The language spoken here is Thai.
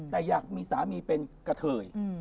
แต่อยากมีสามีเป็นกะเทย